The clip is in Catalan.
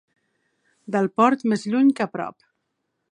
Del Port, més lluny que prop.